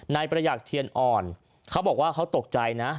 ประหยัดเทียนอ่อนเขาบอกว่าเขาตกใจนะ